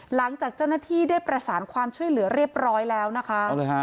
หลังจากเจ้าหน้าที่ได้ประสานความช่วยเหลือเรียบร้อยแล้วนะคะ